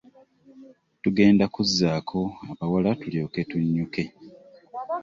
Tugenda kuzzaako abawala tulyoke tunnyuke.